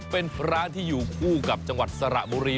เป็นร้านที่อยู่คู่กับจังหวัดสระบุรี